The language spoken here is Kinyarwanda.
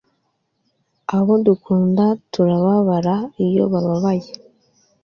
Abo dukunda turababara iyo bababaye